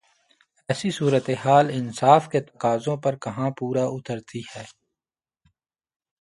ایسی صورتحال انصاف کے تقاضوں پر کہاں پورا اترتی ہے؟